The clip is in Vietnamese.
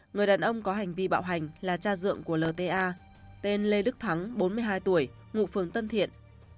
người đàn ông có hành vi bạo hành là cha dượng của lta tên lê đức thắng bốn mươi hai tuổi ngụ phường tân thiện